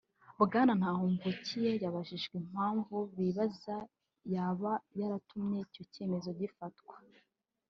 Bwana Ntahomvukiye yabajijwe impamvu bibaza yaba yaratumye icyo cyemezo gifatwa